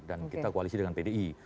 dan kita koalisi dengan pdi